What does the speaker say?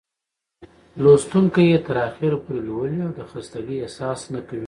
لوستونکى يې تر اخره پورې لولي او د خستګۍ احساس نه کوي.